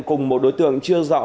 cùng một đối tượng chưa rõ